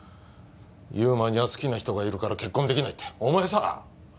祐馬には好きな人がいるから結婚できないってお前さ！